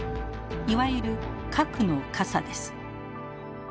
いわゆる核の傘です。